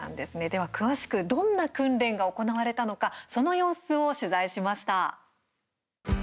では、詳しくどんな訓練が行われたのかその様子を取材しました。